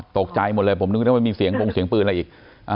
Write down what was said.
อ๋อตกใจหมดเลยผมนึกว่ามันมีเสียงปืนอะไรอีก